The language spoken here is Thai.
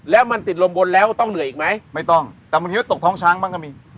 แล้วมันติดลมบนแล้วต้องเหนื่อยอีกไหมไม่ต้องแต่บางทีก็ตกท้องช้างบ้างก็มี